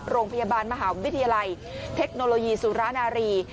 โรงพยาบาลมหาวิทยาลัยเทคโนโลยีสุรานารี